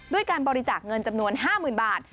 ด้วยการบริจาคเงินจำนวน๕หมื่นบาท